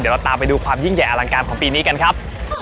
เดี๋ยวเราตามไปดูความยิ่งใหญ่อลังการของปีนี้กันครับ